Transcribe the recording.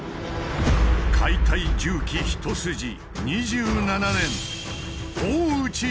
解体重機一筋２７年！